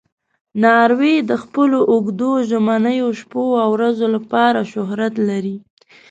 ناروی د خپلو اوږدو ژمنیو شپو او ورځو لپاره شهرت لري.